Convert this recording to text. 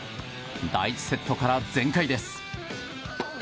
第１セットから全開です。